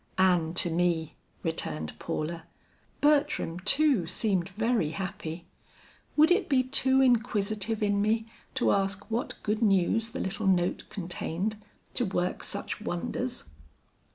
"And to me," returned Paula. "Bertram too, seemed very happy. Would it be too inquisitive in me to ask what good news the little note contained, to work such wonders?"